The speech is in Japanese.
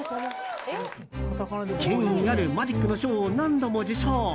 権威あるマジックの賞を何度も受賞。